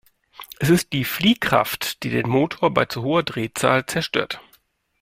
Es ist die Fliehkraft, die den Motor bei zu hoher Drehzahl zerstört.